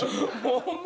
ホンマ？